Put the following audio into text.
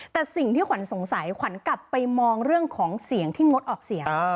แต่สิ่งที่ขวัญสงสัยขวัญกลับไปมองเรื่องของเสียงที่งดออกเสียง